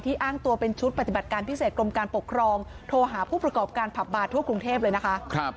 อ้างตัวเป็นชุดปฏิบัติการพิเศษกรมการปกครองโทรหาผู้ประกอบการผับบาร์ทั่วกรุงเทพเลยนะคะ